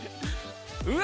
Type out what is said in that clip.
うわ！